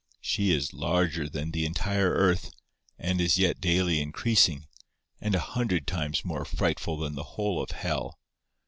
She is larger than the entire earth, and is yet daily increasing, and a hundred times more frightful than the whole of hell.